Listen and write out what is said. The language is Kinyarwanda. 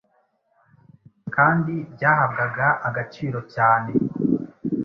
kandi byahabwaga agaciro cyane.